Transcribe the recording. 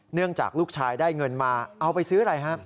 เนื่องจากลูกชายได้เงินมาเอาไปซื้ออะไรฮะ